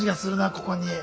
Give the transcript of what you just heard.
ここに。